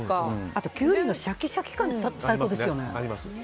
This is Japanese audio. あとキュウリのシャキシャキ感最高ですよね。